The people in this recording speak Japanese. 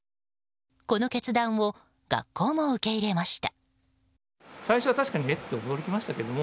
この決断を学校も受け入れました。